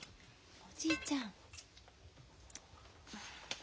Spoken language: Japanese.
おじいちゃん。